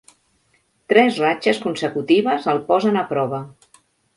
Tres ratxes consecutives el posen a prova.